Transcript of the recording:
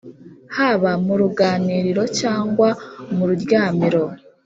Haba muruganiriro cyangwa mu ruryamiro